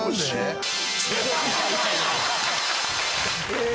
え。